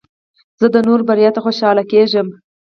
زه د نورو بریا ته خوشحاله کېږم.